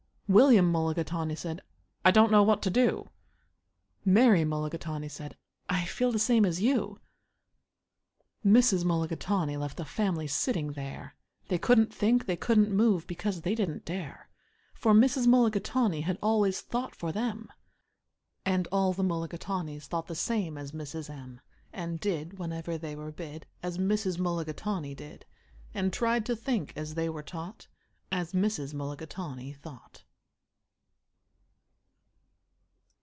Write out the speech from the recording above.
William Mulligatawny said, "I don't know what to do." Mary Mulligatawny said, "I feel the same as you." Mrs. Mulligatawny left the family sitting there. They couldn't think, they couldn't move, because they didn't dare; For Mrs. Mulligatawny had always thought for them, And all the Mulligatawnys thought the same as Mrs. M., And did, whenever they were bid, As Mrs. Mulligatawny did, And tried to think, as they were taught, As Mrs. Mulligatawny thought.